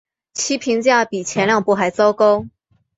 其评价比前两部还糟糕。